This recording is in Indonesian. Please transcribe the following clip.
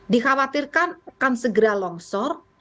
dikhawatirkan akan segera longsor